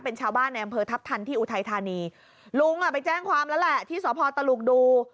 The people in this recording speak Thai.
เป็นชาวบ้านในอำเภอทัพทันที่อุทัยธานีลุงอ่ะไปแจ้งความแล้วแหละที่สพตลุกดู